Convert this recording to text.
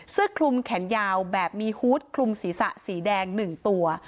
เสื้อคลุมแขนยาวแบบมีฮูตคลุมศีรษะสีแดง๑ตัว